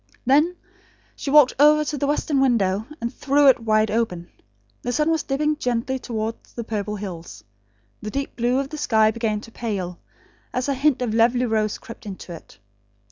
Then she walked, over to the western window, and threw it wide open. The sun was dipping gently towards the purple hills. The deep blue of the sky began to pale, as a hint of lovely rose crept into it.